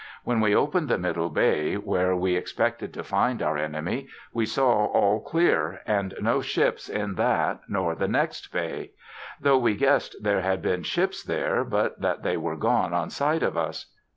When we open'd the middle bay, were we ex pected to find our enemy, we saw all clear, and no ships in that, nor the next bay. Though we guess'd there had been ships there, but that they were gone on sight of us.